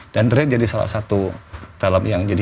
dan the rate jadi salah satu film yang jadi